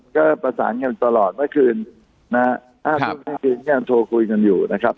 ก็ประสานกันตลอดเมื่อคืนนะฮะเมื่อคืนก็ยังโทรคุยกันอยู่นะครับ